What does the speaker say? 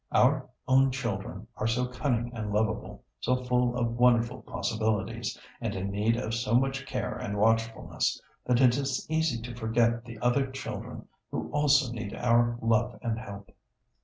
Our own children are so cunning and lovable, so full of wonderful possibilities, and in need of so much care and watchfulness, that it is easy to forget the other children who also need our love and help.